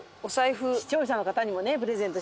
視聴者の方にもねプレゼントしたい。